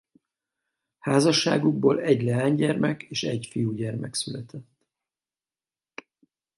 Házasságukból egy leánygyermek és egy fiúgyermek született.